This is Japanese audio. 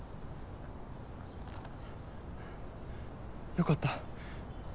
よかった。